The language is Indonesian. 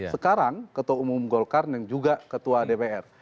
sekarang ketua umum golkar dan juga ketua dpr